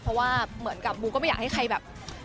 เพราะว่าเหมือนกับบูก็ไม่อยากให้ใครแบบ